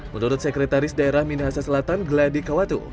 menurut sekretaris daerah minahasa selatan gladikawatu